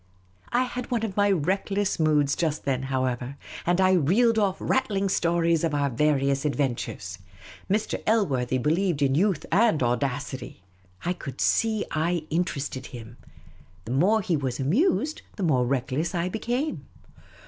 I had one of my reckless moods just then, however, and I reeled off rattling stories of our various adventures. Mr. Elworthy believed in youth and audacity ; I could see I interested him. The more he was i8o Miss Cayley's Adventures amused, the more reckless I became.